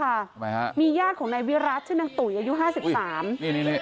ทำไมฮะมีญาติของนายวิรัติชื่อนางตุ๋ยอายุห้าสิบสามนี่นี่